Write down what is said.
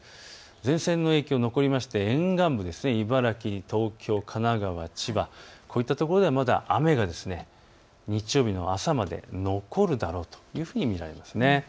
前線の影響、残りまして沿岸部、茨城、東京、神奈川、千葉、こういったところではまだ日曜日の朝まで残るだろうというふうに見られます。